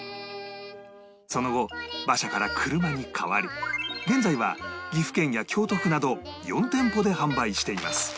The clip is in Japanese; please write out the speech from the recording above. その後馬車から車に代わり現在は岐阜県や京都府など４店舗で販売しています